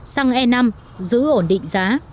xăng e năm giữ ổn định giá